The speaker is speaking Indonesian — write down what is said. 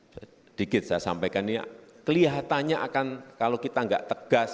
sedikit saya sampaikan kelihatannya akan kalau kita enggak tegas